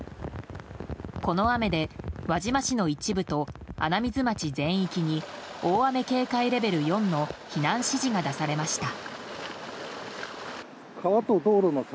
この雨で輪島市の一部と穴水町全域に大雨警戒レベル４の避難指示が出されました。